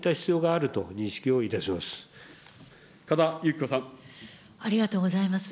ありがとうございます。